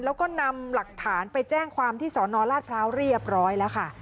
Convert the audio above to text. แล้วก็นำหลักฐานไปแจ้งความที่สนราชพร้าวเรียบร้อยแล้วค่ะ